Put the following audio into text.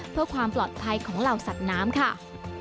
เพื่อความปลอดภัยของเหล่าสัตว์น้ำค่ะ